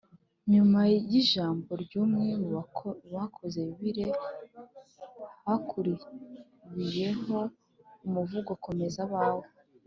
nyuma y’ijambo ry’umwe mu bakoze yubile, hakurikiyeho umuvugo « komeza abawe »